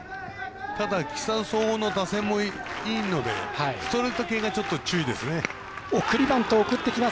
ただ木更津総合の打線もいいのでストレート系が注意ですね。